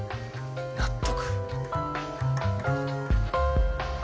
納得！